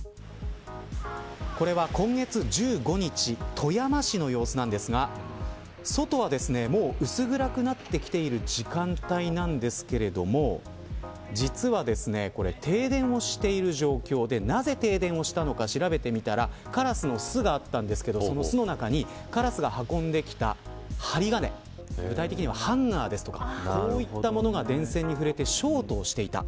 これは、今月１５日富山市の様子なんですが外はもう薄暗くなってきている時間帯なんですけれども実はこれ、停電をしている状況でなぜ停電をしたのか調べてみたらカラスの巣があったんですけどその巣の中にカラスが運んできた針金具体的にはハンガーとかこういったものが電線に触れてショートをしていた。